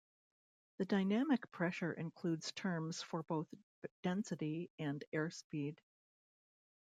The dynamic pressure includes terms for both density and airspeed.